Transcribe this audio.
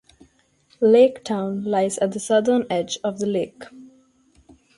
Laketown lies at the southern edge of the lake.